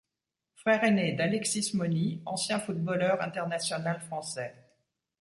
Frère aîné d'Alexis Mony, ancien footballeur international français.